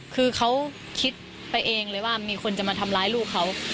คือเขาคิดไปเองเลยว่ามีคนจะมาทำร้ายลูกเขา